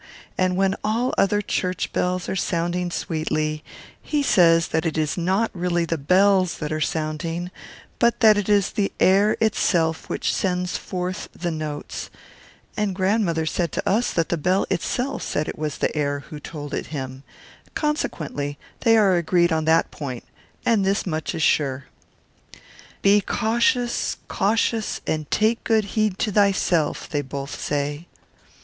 And when all the other church bells are sounding sweetly, he says that it is not really the bells that are sounding, but that it is the air itself which sends forth the notes; and grandmother said to us that the Bell itself said it was the air who told it to him, consequently they are agreed on that point, and this much is sure. "Be cautious, cautious, and take good heed to thyself," they both say.